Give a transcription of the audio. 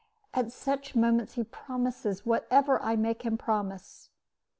At such moments he promises whatever I make him promise.